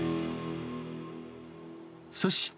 そして。